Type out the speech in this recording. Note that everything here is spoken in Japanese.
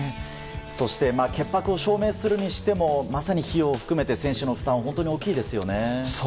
潔白を証明するにしてもまさに費用を含めて選手の負担は大きいですよね。